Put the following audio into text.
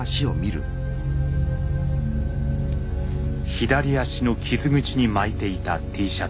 左足の傷口に巻いていたＴシャツ。